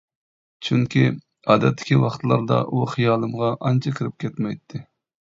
چۈنكى ئادەتتىكى ۋاقىتلاردا ئۇ خىيالىمغا ئانچە كىرىپ كەتمەيتتى.